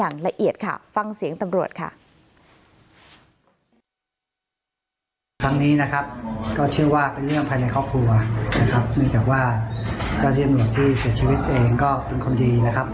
เนื่องจากว่าเก้าเทียบหน่วยที่เกิดชีวิตเองก็เป็นคนดีนะครับ